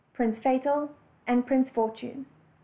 PRINCE FATAL AND PRINCE FORTUNE.